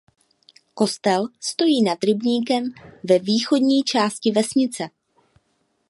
Kostel stojí nad rybníkem ve východní části vesnice.